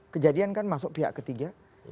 kejadian kan masuk pihak ketiga